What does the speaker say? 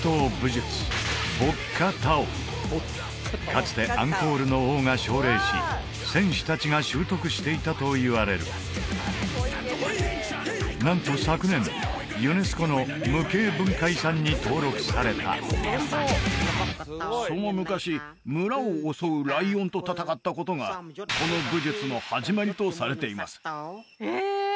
かつてアンコールの王が奨励し戦士達が習得していたといわれるなんと昨年ユネスコのその昔村を襲うライオンと戦ったことがこの武術の始まりとされていますえ！